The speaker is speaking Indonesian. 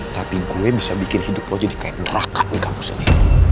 tapi gue bisa bikin hidup lo jadi kayak neraka di kampus ini